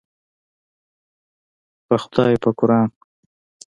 په خدای په قوران.